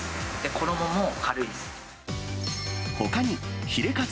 衣も軽いです。